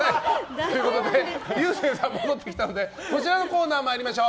ということで竜星さんが戻ってきたのでこちらのコーナー参りましょう。